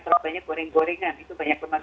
terlalu banyak goreng gorengan itu banyak lemak